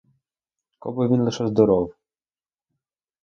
Коби він лише здоров!